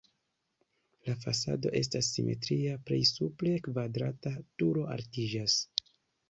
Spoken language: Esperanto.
La fasado estas simetria, plej supre la kvadrata turo altiĝas.